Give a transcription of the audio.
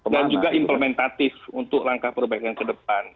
dan juga implementatif untuk langkah perbaikan ke depan